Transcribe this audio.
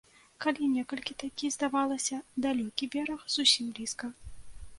Калі некалі такі, здавалася, далёкі бераг, зусім блізка.